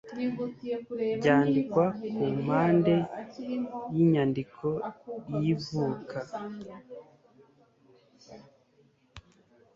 byandikwa ku mpande y inyandiko y ivuka